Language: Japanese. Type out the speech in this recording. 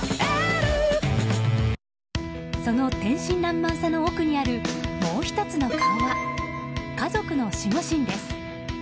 その天真らんまんさの奥にあるもう１つの顔は家族も支える守護神です。